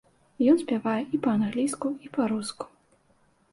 Ён спявае і па-англійску, і па-руску.